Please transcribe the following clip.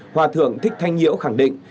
hòa thượng thích thanh nhiễu khẳng định